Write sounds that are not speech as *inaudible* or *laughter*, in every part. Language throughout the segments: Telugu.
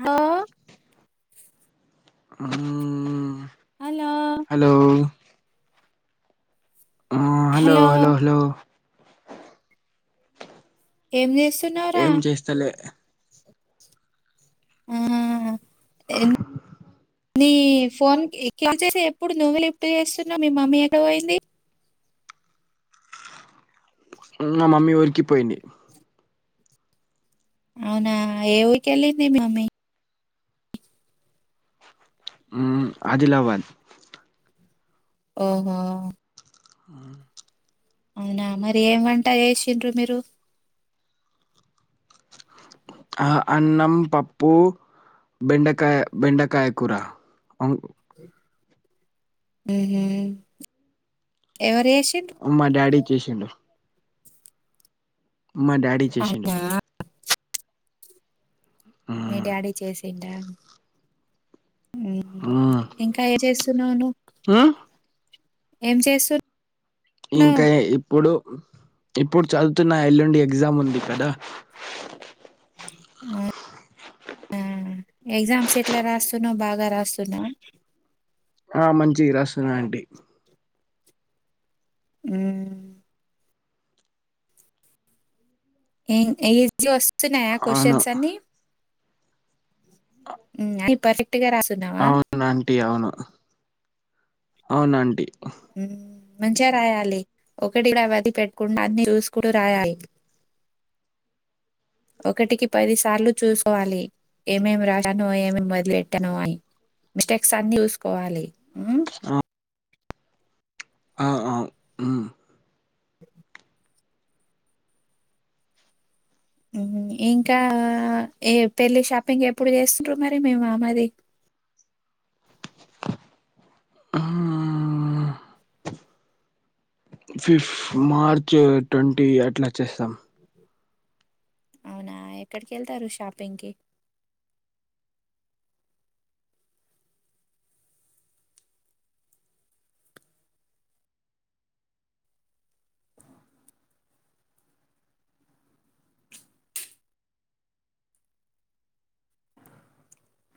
హ ఊ హలో ఆ హలో హలో హలో ఏం జేస్ ఏం చేస్తలే ఆ ఎం నీ ఫోన్ కి కాల్ చేస్సే ఎప్పుడు నువ్వు లిఫ్ట్ చేస్సున్నావ్ మీ మమ్మీ ఎక్కడ వోయింది మా మమ్మీ ఊరికి పోయింది అవునా ఏ వూకెళ్ళింది మీ మమ్మీ మ్మ్ అదిలాబాద్ ఓహో ఆ *inaudible* అవునా మరి ఏం వంట చేసిండ్రు మీరు ఆ అన్నం పప్పు బెండకాయ బెండకాయ కూర ఆహ్ ఎవరి అమ్మా డాడీ చేేషిండు మా డాడీ చేసిండు అవునా మీ మ్మ్ డాడీ చేసిండా మ్ మ్మ్ ఇంకా ఏ చేస్తున్నావు నువ్వు మ్మ్ ఏం చేస్తురు ఇంకా ఇప్పుడు ఆ *unintelligible* ఇప్పుడు చదువుతున్న ఎల్లుండి ఎగ్జామ్ ఉంది కదా ఉ ఎగ్జామ్స్ ఎట్లా రాస్తున్నావు బాగా రాస్తున్నావా ఆ మంచిగా రాస్తున్నా ఆంటీ ఉమ్ ఏ ఏజ్ *unintelligible* సునాయా అవును క్వశ్చన్స్ అన్ని *unintelligible* ఇంగ అయిపో *unintelligible* అవును ఆంటీ అవును అవును ఆంటీ మ్ మంచిగా రాయాలి ఒకటి కూడ వదిలి పెట్కుండా అన్ని చూసుకుంటూ రాయాలి ఒకటికి పది సార్లు చూసుకోవాలి ఏమేమి రాసాను ఏమేమి వదిలెట్టాను అని మిస్టేక్స్ అన్ని చూసుకోవాలి హ్మ్ ఆ ఆ ఆ ఇంకా ఏ పెళ్ళి షాపింగ్ ఎప్పుడు చేస్తుంట్రారు మరి మీ మామది ఉమ్ ఫిఫ్ మార్చ్ ట్వంటీ అట్లా చేస్తాం అవునా ఎక్కడికి వెళ్తారు షాపింగ్ కి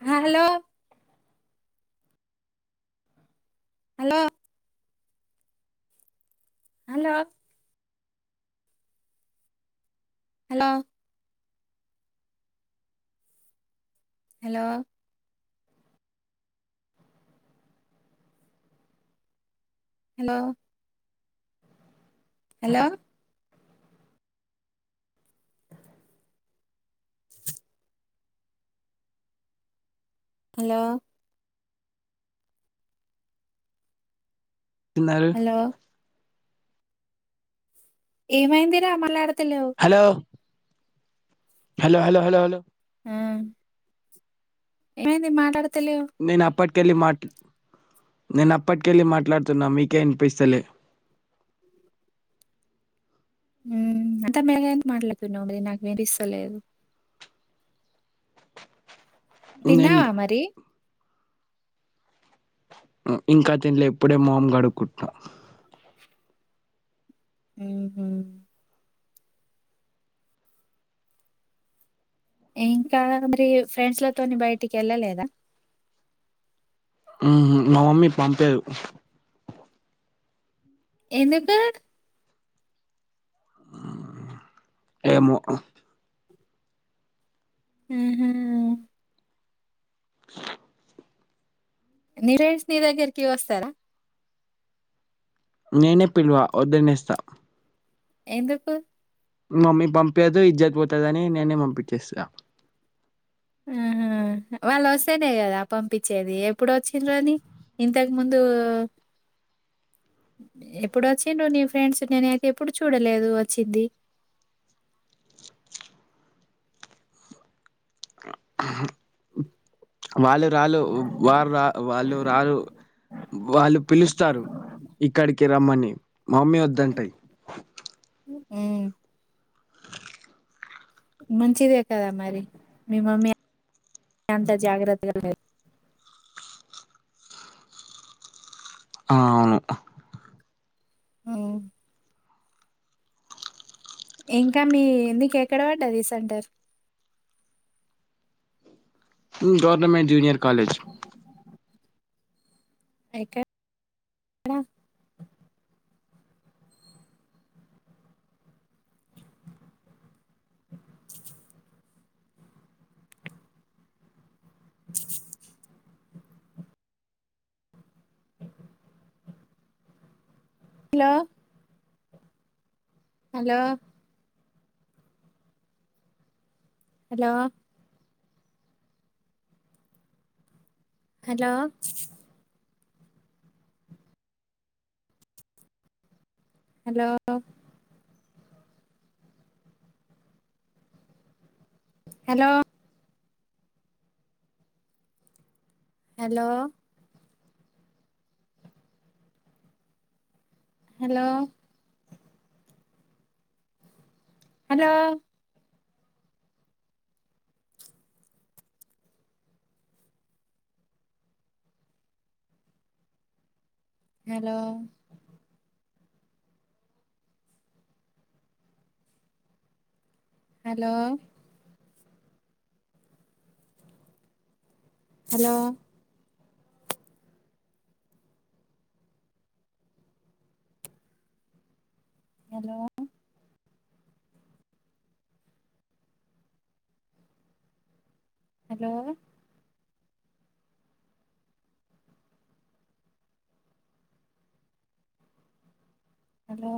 hello hello hello hello hello hello hello hello తిన్నార హలో ఏమైందిరా మళ్ళ ఆ పత్తల *unintelligible* హలో హలో హలో హలో లో ఆ ఏమైంది మాట్లాడు తెల్లేవ్ నేను అప్పటికెళ్ళి మాట్ల్ నేను అప్పటికెళ్ళి మాట్లాడుతున్నా మీకే వినిపిస్తలే. మ్మ్ అంత బెరిగెన్ మాట్లాడుతున్నావు బె నాకు వినిపిస్సల్లేదు నేను తిన్నావా మరి ఇంకా తిండ్లే ఇప్పుడే మొహం గడుకుట్నా హ్మ్ మ్మ్ ఇంకా మరి ఫ్రెండ్స్లతోని బయటికి వెళ్ళలేదా మ్ హ్మ్ మా మమ్మీ పంపియదు ఎందుకు మ్మ్ ఏమో హ్మ్ మ్మ్ నీ రెండ్స్ నీ దగ్గరికి వస్తరా నేనే పిల్వా వద్దనేస్త ఎందుకు మమ్మీ పంపియదు ఇజ్జత్ పోతదనీ నేనే పంపించేస్తా ఆ హా వాళ్ళు వస్తేనే కదా పంపించేది, ఎప్పుడు వచ్చిండ్రని ఇంతకు ముందు ఎప్పుడు వచ్చిండ్రు నీ ఫ్రెండ్స్ నేనైతే ఎప్పుడు చూడలేదు వచ్చింది. హ్మ్ హు వాళ్ళు రాళు వారు రా వాళ్ళు రారు వాళ్ళు పిలుస్తారు ఇక్కడికి రమ్మని. మమ్మీ వద్దంటయి హ్మ్ మంచిదే కదా మరి మీ మమ్మీ అంత జాగ్రత్తగా లే ఆ అవును హ్మ్ ఇంక మీ నీకు ఎక్కడ వడ్డది సెంటర్ హ్మ్ గవర్నమెంట్ జూనియర్ కాలేజ్ ఎక డ లో hello hello hello hello hello hello hello hello hello hello hello hello hello hello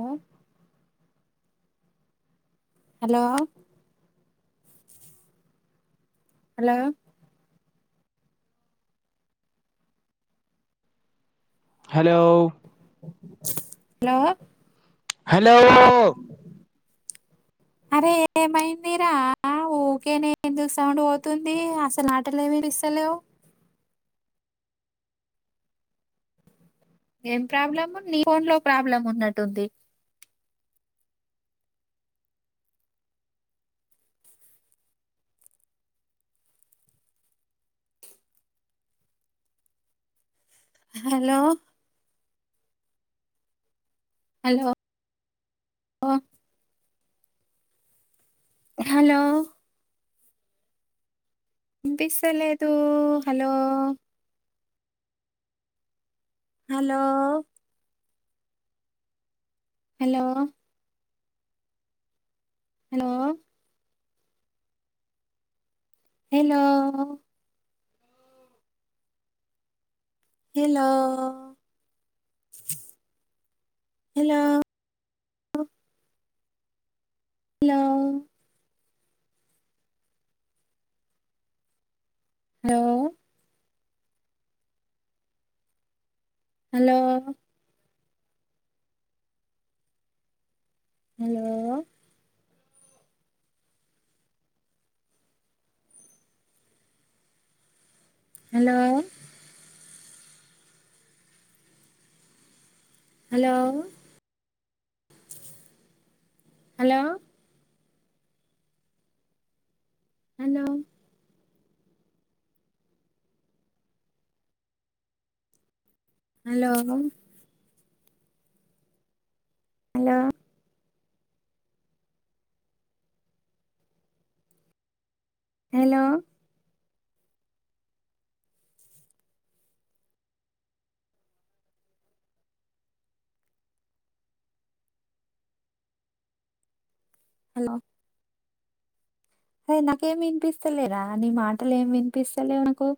hello hello hello hello hello అరే ఏమైందిరా ఊకేనే ఎందుకు సౌండ్ పోతుంది అసలు మాటలే వినిస్తలేవు ఏం ప్రాబ్లం నీ ఫోన్ లో ప్రాబ్లం ఉన్నట్టుంది హలో హలో ఓ హలో వినిపిస్తా లేదూ hello hello hello hello hello hello hello లో hello hello hello hello hello hello hello hello hello hello hello hello హె నాకేమి వినిపిస్తలేరా నీ మాటలు ఏమి వినిపిస్తలేవునకు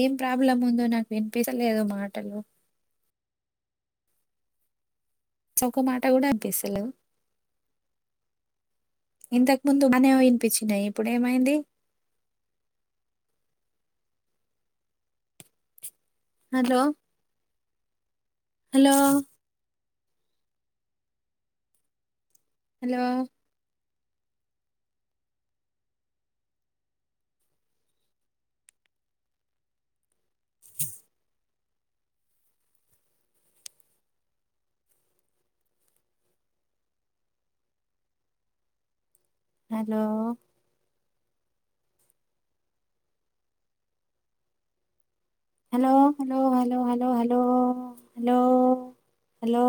ఏం ప్రాబ్లం ఉందో నాకు వినిపిస్తా లేదు మాటలు ఒక మాట కూడా వినిపిస్తలేవు ఇంతకు ముందు బనే వినిపించినాయి ఇప్పుడు ఏమైంది hello hello hello hello hello hello hello hello hello hello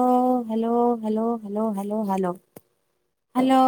hello hello hello hello hello hello hello hello